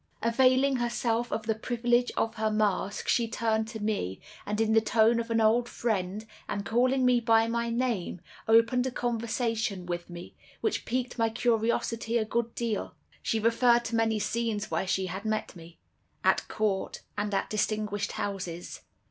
"Availing herself of the privilege of her mask, she turned to me, and in the tone of an old friend, and calling me by my name, opened a conversation with me, which piqued my curiosity a good deal. She referred to many scenes where she had met me—at Court, and at distinguished houses.